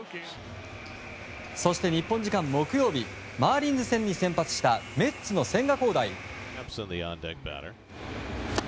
そして、日本時間木曜日マーリンズ戦に先発したメッツの千賀滉大。